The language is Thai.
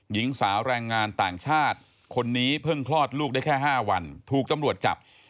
หญิงสาวแรงงานต่างชาติคนนี้เพิ่งคลอดลูกได้แค่๕วันถูกตำรวจจับ